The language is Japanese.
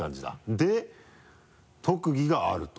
で特技があると。